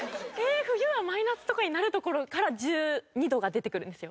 冬はマイナスとかになる所から１２度が出てくるんですよ。